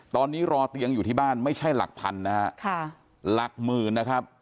ตอนนี้รอเตียงอยู่ที่บ้านไม่ใช่หลักพันนะฮะค่ะหลักหมื่นนะครับ